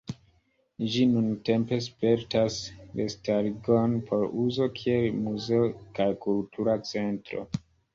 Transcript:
Ĝi nuntempe spertas restarigon por uzo kiel muzeo kaj kultura centro.